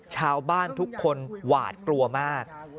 ชาวบ้านทุกคนหวาดกลัวมาก